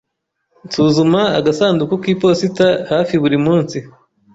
Nsuzuma agasanduku k'iposita hafi buri munsi.